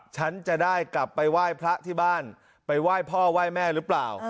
ฉันจะได้กลับไปไหว้พระที่บ้านไปไหว้พ่อไหว้แม่หรือเปล่า